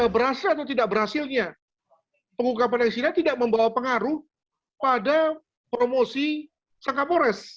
berhasil atau tidak berhasilnya pengungkapan alexina tidak membawa pengaruh pada promosi sang kapolres